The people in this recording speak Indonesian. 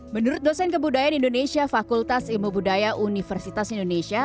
menurut dosen kebudayaan indonesia fakultas ilmu budaya universitas indonesia